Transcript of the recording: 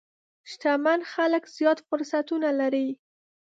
شتمن خلک زیات فرصتونه لري.